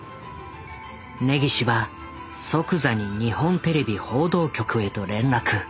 根岸は即座に日本テレビ報道局へと連絡。